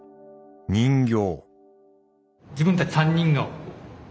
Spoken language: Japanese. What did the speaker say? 人形。